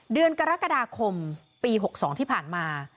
เดือนกรกฎาคมปี๖๒ที่ผ่านมา